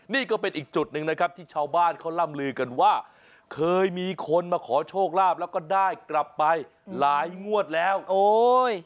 นี่ก็เป็นอีกจุดหนึ่งนะครับที่ชาวบ้านเขาล่ำลือกันว่าเคยมีคนมาขอโชคลาภแล้วก็ได้กลับไปหลายงวดแล้วโอ้ย